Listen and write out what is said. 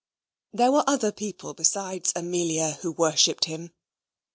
There were other people besides Amelia who worshipped him.